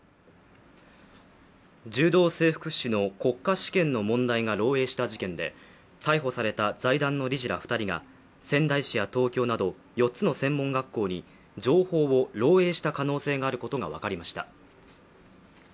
柔道整復師の国家試験の問題が漏えいした事件で、逮捕された財団の理事ら２人が仙台市や東京など４つの専門学校に情報を漏えいした可能性があることが分かりました。